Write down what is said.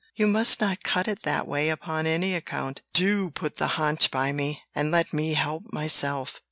You must not cut it that way upon any account. Do put the haunch by me, and let me help myself."